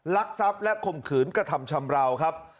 ลักษัพธ์และคมขืนกระทำชำราว